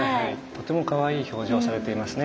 とてもかわいい表情されていますね。